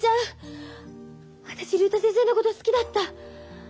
私竜太先生のこと好きだった。